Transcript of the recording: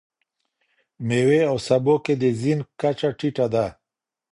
میوې او سبو کې د زینک کچه ټيټه ده.